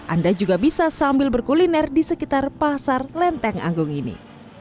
anda juga bisa sambil berkuliner di sekitar pasar lenteng agung ini